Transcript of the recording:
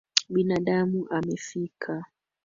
Binamu amefika